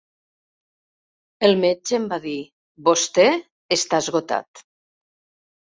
El metge em va dir: 'Vostè està esgotat.